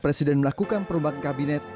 presiden melakukan perubahan kabinet